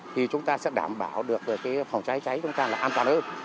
thì chúng ta sẽ đảm bảo được về phòng cháy cháy chúng ta là an toàn hơn